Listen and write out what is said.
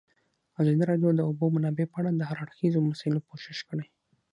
ازادي راډیو د د اوبو منابع په اړه د هر اړخیزو مسایلو پوښښ کړی.